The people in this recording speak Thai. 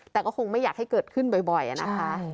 แต่ก็คงไม่อยากให้เกิดขึ้นบ่อยนะคะ